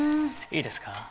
いいですか？